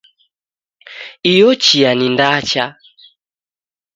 Iyo chia ni ndacha